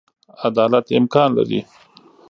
عدالت امکان لري.